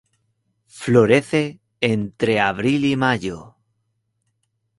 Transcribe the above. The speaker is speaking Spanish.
Florece entre abril y mayo.